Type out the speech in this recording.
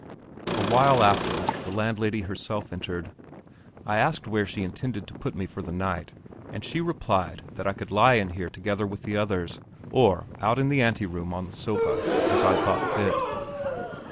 A while after the landlady herself entered. I asked her where she intended to put me up for the night, and she replied that I could lie in here together with the others, or out in the ante room on the sofa, as I thought fit.